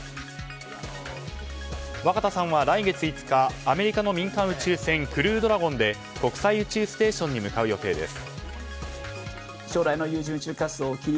若田さんは来月５日アメリカの民間宇宙船「クルードラゴン」で国際宇宙ステーションに向かう予定です。